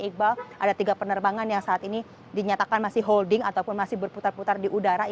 iqbal ada tiga penerbangan yang saat ini dinyatakan masih holding ataupun masih berputar putar di udara